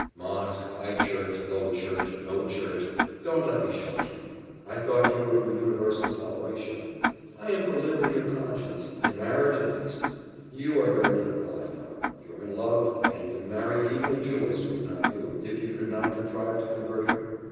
Mosque high church low church no church don't let me shock you. I thought you were for universal toleration; I am for liberty of conscience, in marriage at least. You are very liberal, I know. You're in love, and you'd marry even a Jewess, would not you, if you could not contrive to convert her?